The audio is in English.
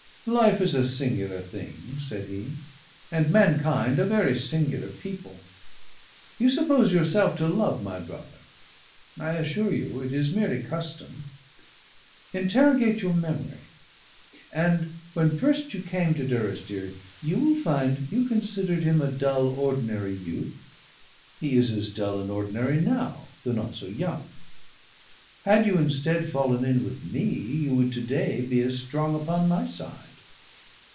"Life is a singular thing," said he, "and mankind a very singular people. You suppose yourself to love my brother. I assure you, it is merely custom. Interrogate your memory; and when first you came to Durrisdeer, you will find you considered him a dull, ordinary youth. He is as dull and ordinary now, though not so young. Had you instead fallen in with me, you would to day be as strong upon my side."